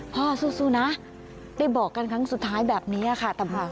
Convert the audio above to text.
สู้นะได้บอกกันครั้งสุดท้ายแบบนี้ค่ะ